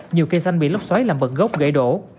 nhiều cây xanh bị lóc xoáy làm bậc gốc gãy đổ